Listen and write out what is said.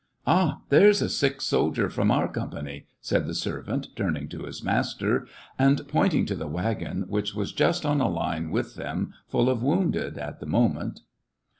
" Ah, there's a sick soldier from our com pany," said the servant, turning to his master, and pointing to the wagon which was just on a line with them, full of wounded, at the moment.